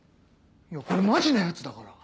いやこれマジなやつだから。